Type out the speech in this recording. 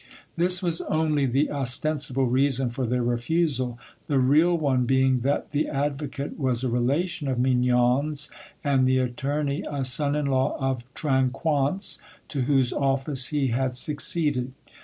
This was only the ostensible reason for their refusal, the real one being that the advocate was a relation of Mignon's, and the attorney a son in law of Trinquant's, to whose office he had succeeded.